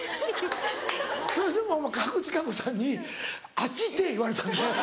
・それでもう賀来千香子さんに「あっち行って！」言われたんで。